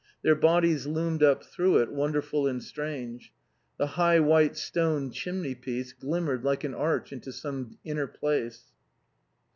Their bodies loomed up through it, wonderful and strange. The high white stone chimney piece glimmered like an arch into some inner place.